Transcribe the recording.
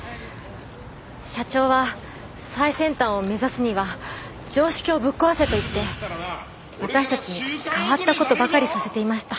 社長は「最先端を目指すには常識をぶっ壊せ」と言って私たちに変わった事ばかりさせていました。